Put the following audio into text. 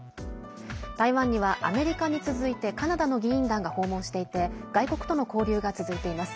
台湾にはアメリカに続いてカナダの議員団が訪問していて外国との交流が続いています。